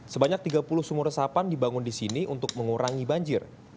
sebanyak tiga puluh sumur resapan dibangun di sini untuk mengurangi banjir